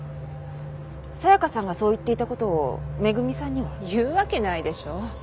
紗香さんがそう言っていた事を恵さんには？言うわけないでしょ。